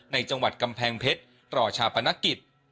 จังหวัดกำแพงเพชรต่อชาปนกิจ